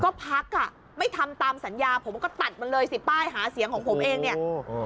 ก็พักอ่ะไม่ทำตามสัญญาผมก็ตัดมันเลยสิป้ายหาเสียงของผมเองเนี่ยโอ้โห